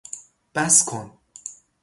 بس کن!